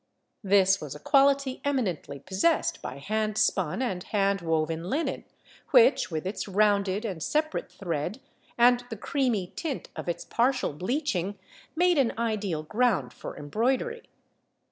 This was a quality eminently possessed by hand spun and hand woven linen, which, with its rounded and separate thread, and the creamy tint of its partial bleaching, made an ideal ground for embroidery.